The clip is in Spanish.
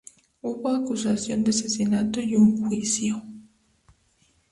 Hubo acusación de asesinato y un juicio.